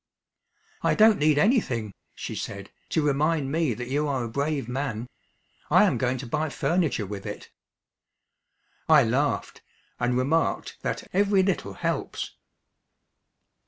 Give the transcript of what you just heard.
"I don't need anything," she said, "to remind me that you are a brave man. I am going to buy furniture with it." I laughed, and remarked that "every little helps."